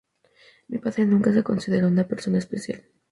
Mi padre nunca se consideró una persona especial.